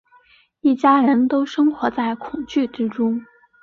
一家人都生活在恐惧之中